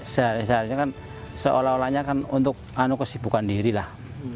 seharusnya kan seolah olahnya kan untuk kesibukan diri lah